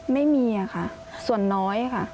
ไม่มีค่ะส่วนน้อยค่ะ